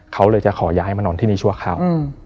เขาเลยจะขอย้ายมานอนที่นี่ชั่วคราว